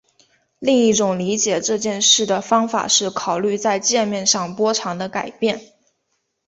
另一种理解这件事的方法是考虑在界面上波长的改变。